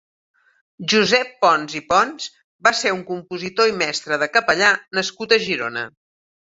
Josep Pons i Pons va ser un compositor i mestre de capellà nascut a Girona.